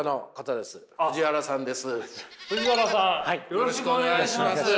よろしくお願いします。